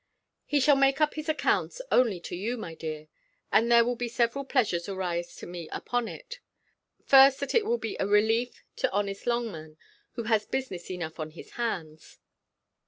He shall make up his accounts only to you, my dear. And there will be several pleasures arise to me upon it: first, that it will be a relief to honest Longman, who has business enough on his hands.